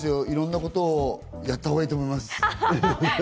いろんなことをやったほうがいいと思います。